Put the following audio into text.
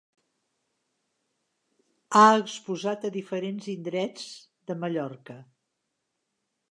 Ha exposat a diferents indrets de Mallorca.